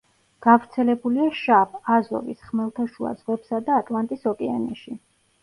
გავრცელებულია შავ, აზოვის, ხმელთაშუა ზღვებსა და ატლანტის ოკეანეში.